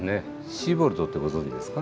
シーボルトってご存じですか？